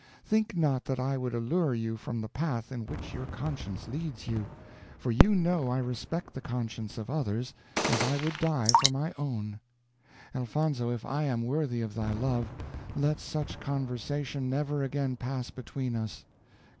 Think not that I would allure you from the path in which your conscience leads you; for you know I respect the conscience of others, as I would die for my own. Elfonzo, if I am worthy of thy love, let such conversation never again pass between us.